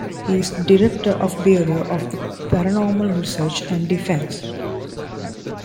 He is director of the Bureau of Paranormal Research and Defense.